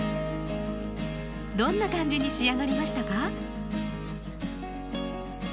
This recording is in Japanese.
どんな感じに仕上がりましたか？